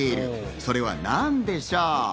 それは何でしょう？